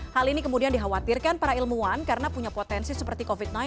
hal ini kemudian dikhawatirkan para ilmuwan karena punya potensi seperti covid sembilan belas